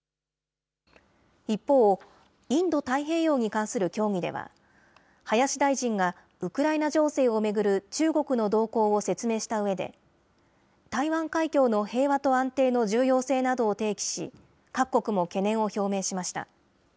一方、インド太平洋に関する協議では、林大臣がウクライナ情勢を巡る中国の動向を説明したうえで、台湾海峡の平和と安定の重要性などを提起し、各国も懸念を表明しました。